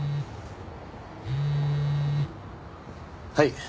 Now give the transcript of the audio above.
はい。